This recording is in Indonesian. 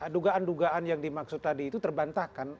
dugaan dugaan yang dimaksud tadi itu terbantahkan